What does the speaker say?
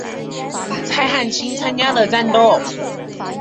蔡汉卿参加了战斗。